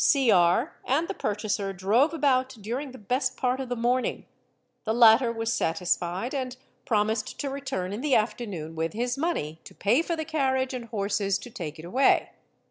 Cr... and | the purchaser drove about during the best part of the morning; the latter ' was satisfied and promised to return in the afternoon with his money t to pay for the carriage and horses to take it away.